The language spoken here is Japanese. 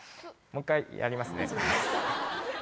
もう一回、やりますね。